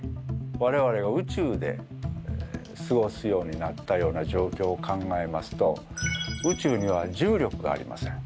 われわれがうちゅうですごすようになったような状況を考えますとうちゅうには重力がありません。